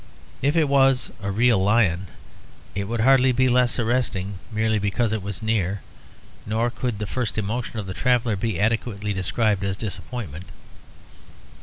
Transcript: If it was a real lion it would hardly be less arresting merely because it was near; nor could the first emotion of the traveller be adequately described as disappointment.